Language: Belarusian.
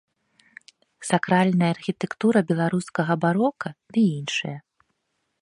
Сакральная архітэктура беларускага барока ды іншыя.